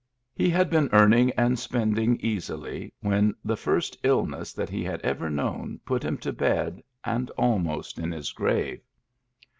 He had been earning and spending easily, when the first illness that he had ever known put him to bed, and almost in his grave.